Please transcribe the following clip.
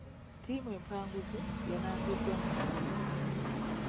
Ttiimu empanguzi yalangiddwa mu mawulire.